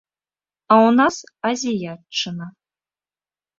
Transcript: А ў нас азіятчына.